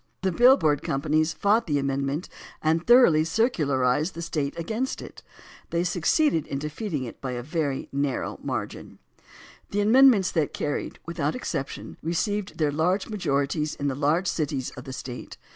The bill board companies fought the amendment and thoroughly circularized the State against it. They succeeded in defeating it by a very nar row margin. The amendments that carried, without exception, received their large majorities in the large cities of the State.